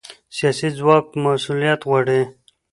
سیاسي ځواک مسؤلیت غواړي